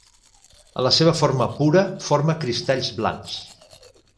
En la seva forma pura forma cristalls blancs.